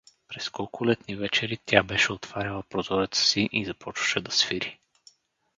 През колко летни вечери тя беше отваряла прозореца си и започваше да свири.